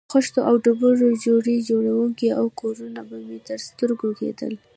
له خښتو او ډبرو جوړې جونګړې او کورونه به مې تر سترګو کېدل.